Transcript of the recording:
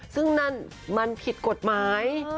ซึ่งนั่นมันผิดกฎหมาย